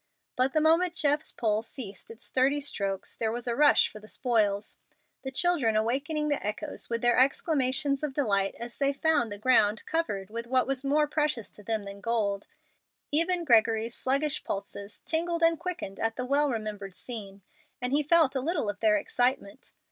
But the moment Jeff's pole ceased its sturdy strokes there was a rush for the spoils, the children awakening the echoes with their exclamations of delight as they found the ground covered with what was more precious to them than gold. Even Gregory's sluggish pulses tingled and quickened at the well remembered scene, and he felt a little of their excitement.